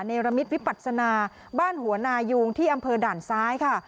รมิตวิปัศนาบ้านหัวนายุงที่อำเภอด่านซ้ายค่ะ